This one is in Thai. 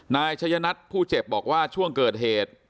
นายชัยนัทผู้เจ็บบอกว่าช่วงเกิดเหตุ